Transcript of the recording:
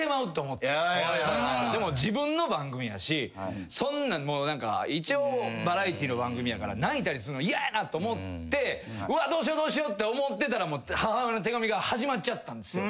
でも自分の番組やし一応バラエティーの番組やから泣いたりすんの嫌やなと思ってうわっどうしようどうしようって思ってたら母親の手紙が始まっちゃったんですよ。